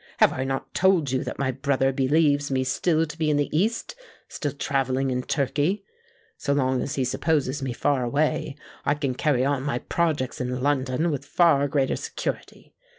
"Have I not told you that my brother believes me still to be in the East—still travelling in Turkey? So long as he supposes me far away, I can carry on my projects in London with far greater security.